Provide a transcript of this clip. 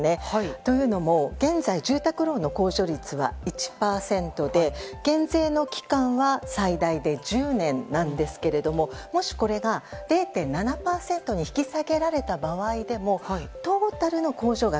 というのも、現在住宅ローンの控除率は１％で減税の期間は最大で１０年なんですけれどももし、これが０．７％に引き下げられた場合でもトータルの控除額